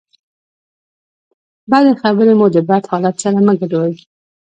بدې خبرې مو د بد حالت سره مه ګډوئ.